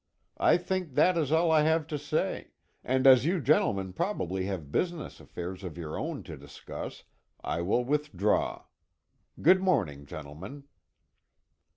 I think that is all I have to say, and as you gentlemen probably have business affairs of your own to discuss, I will withdraw. Good morning, gentlemen."